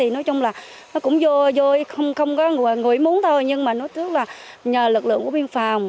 nó cũng vô vô không có người muốn thôi nhưng mà nó tức là nhờ lực lượng của biên phòng